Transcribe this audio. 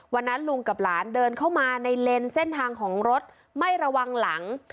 วันนั้นลุงกับหลานเดินเข้ามาในเลนส์เส้นทางของรถไม่ระวังหลัง